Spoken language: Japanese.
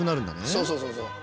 そうそうそうそう。